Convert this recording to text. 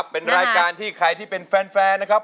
เป็นรายการที่ใครที่เป็นแฟนนะครับ